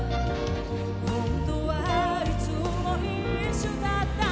「本当はいつも一緒だったのね」